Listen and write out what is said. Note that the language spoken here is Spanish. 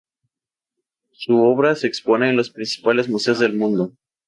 Su obra se expone en los principales museos del mundo.